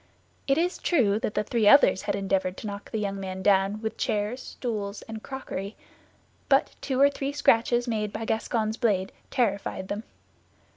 It is true that the three others had endeavored to knock the young man down with chairs, stools, and crockery; but two or three scratches made by the Gascon's blade terrified them.